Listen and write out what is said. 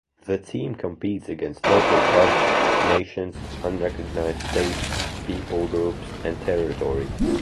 The team competes against local clubs, nations, unrecognized states, people groups, and territories.